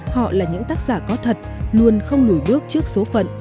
họ là những tác giả có thật luôn không lùi bước trước số phận